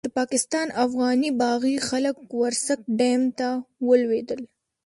د پاکستان افغاني باغي خلک ورسک ډېم ته ولوېدل.